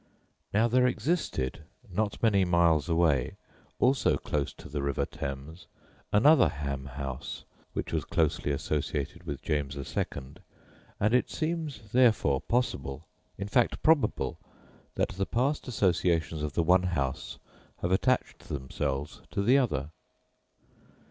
Now there existed, not many miles away, also close to the river Thames, another Ham House, which was closely associated with James II., and it seems, therefore, possible, in fact probable, that the past associations of the one house have attached themselves to the other.